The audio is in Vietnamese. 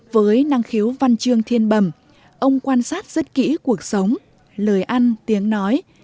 với năng khiếu văn chương thiên bầm ông quan sát rất kỹ cuộc sống lời ăn tiếng nói